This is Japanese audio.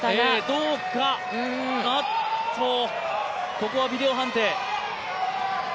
ここはビデオ判定。